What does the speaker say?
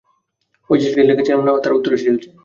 ঔই যে চিঠি লিখেছিলাম না তার উত্তর এসে গেছে।